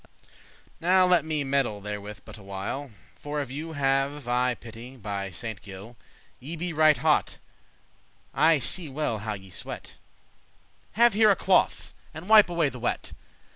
"Now let me meddle therewith but a while, For of you have I pity, by Saint Gile. Ye be right hot, I see well how ye sweat; Have here a cloth, and wipe away the wet."